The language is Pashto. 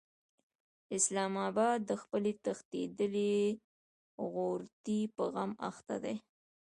اسلام اباد د خپلې تښتېدلې عورتې په غم اخته دی.